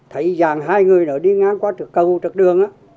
hai người đó đi ngang qua trực cầu trực đường